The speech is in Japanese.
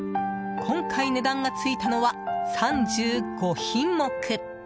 今回、値段が付いたのは３５品目。